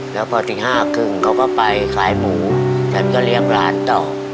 แล้วพอตี๕๓๐เขาก็ไปขายหมูฉันก็เลี้ยงหลานต่อ